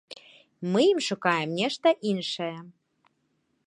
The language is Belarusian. Мы ім шукаем нешта іншае.